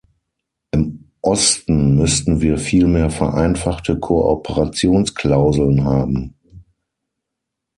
Im Osten müssten wir vielmehr vereinfachte Kooperationsklauseln haben.